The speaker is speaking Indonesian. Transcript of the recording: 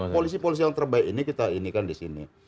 polisi polisi yang terbaik ini kita inikan di sini